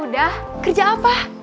udah kerja apa